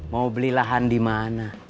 mau beli lahan di mana